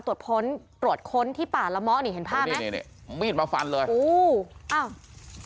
ตรวจพ้นตรวจค้นที่ป่าละเมาะนี่เห็นภาพไหมนี่นี่นี่นี่ไม่เห็นมาฟันเลยอู๋อ้าว